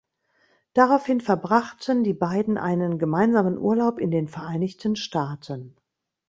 Daraufhin verbrachten die beiden einen gemeinsamen Urlaub in den Vereinigten Staaten.